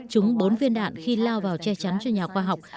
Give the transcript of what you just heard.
trúng bốn viên đạn khi lao vào che chắn cho nhà khoa học